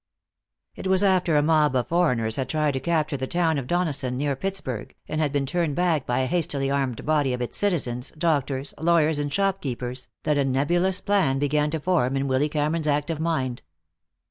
It was after a mob of foreigners had tried to capture the town of Donesson, near Pittsburgh, and had been turned back by a hastily armed body of its citizens, doctors, lawyers and shop keepers, that a nebulous plan began to form in Willy Cameron's active mind.